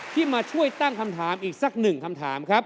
มาช่วยตั้งคำถามอีกสักหนึ่งคำถามครับ